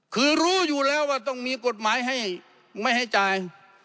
คือรู้อยู่แล้วว่าต้องมีกฎหมายให้ไม่ให้จ่าย